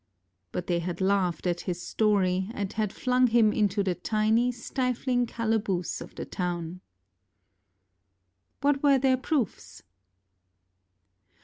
But they had laughed at his story and had flung him into the tiny, stifling calaboose of the town. What were their proofs?